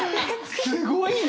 すごいよ。